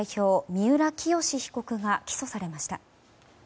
三浦清志被告が起訴されました。